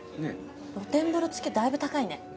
露天風呂付きはだいぶ高いね。